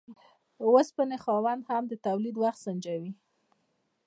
د اوسپنې خاوند هم د تولید وخت سنجوي.